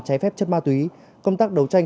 trái phép chất ma túy công tác đấu tranh